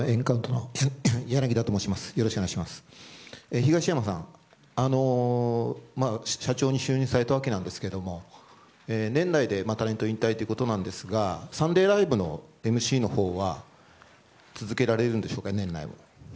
東山さん社長に就任されたわけですが年内でタレント引退ということですが「サンデーＬＩＶＥ！！」のＭＣのほうは年内、続けられるんでしょうか。